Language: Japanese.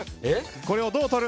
これをどうとる？